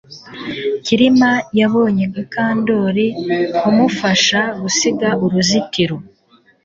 Kirima yabonye Mukandoli kumufasha gusiga uruzitiro